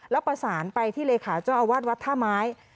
แล้วประสานไปที่เลขาเจ้าอาวาสวัดท่าไม้